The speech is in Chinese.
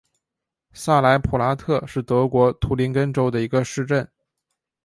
萨莱普拉特是德国图林根州的一个市镇。